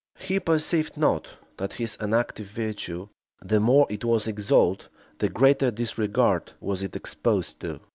He perceived not, that his unactive virtue, the more it was extolled, the greater disregard was it exposed to.